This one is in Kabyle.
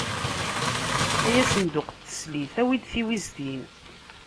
Ay asenduq n teslit, awi-d tiwiztin.